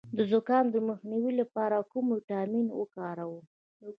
د زکام د مخنیوي لپاره کوم ویټامین وکاروم؟